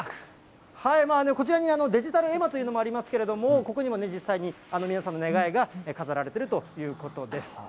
こちらにデジタル絵馬というのもありますけれども、ここにもね、実際に皆さんの願いが飾られているということです。